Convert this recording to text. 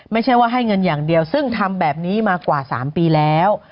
ไม่ใช่ว่าให้เงินอย่างเดียวซึ่งทำแบบนี้มากว่า๓ปีแล้ว